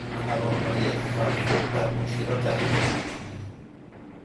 توانایی تفوق بر مشکلات ایام پیری